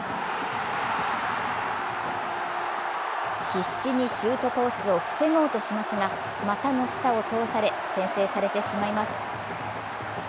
必死にシュートコースを防ごうとしますが股の下を通され先制されてしまいます。